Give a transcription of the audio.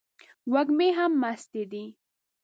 وږمې هم مستې دي